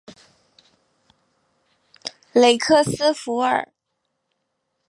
雷克斯弗尔。